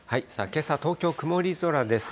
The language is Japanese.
けさ、東京、曇り空です。